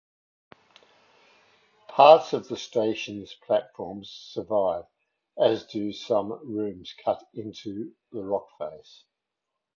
Parts of the station's platforms survive, as do some rooms cut into the rockface.